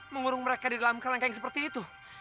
mengurung mereka di dalam kerangka yang seperti itu